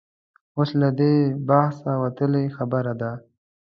اوس له دې بحثه وتلې خبره ده.